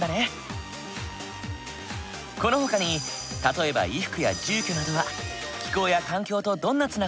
このほかに例えば衣服や住居などは気候や環境とどんなつながりがあるんだろう？